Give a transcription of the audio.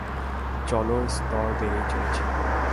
জলর স্তর বেড়েই চলেছে।